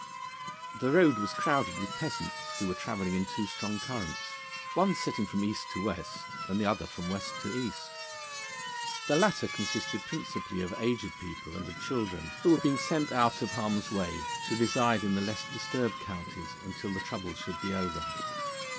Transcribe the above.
The road was crowded with peasants who were travelling in two strong currents, the one setting from east to west, and the other from west to east. The latter consisted principally of aged people and of children, who were being sent out of harm's way to reside in the less disturbed counties until the troubles should be over.